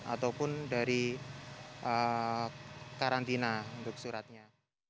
ataupun dari karantina untuk suratnya